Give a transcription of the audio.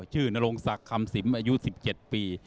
นรงศักดิ์คำสิมอายุ๑๗ปี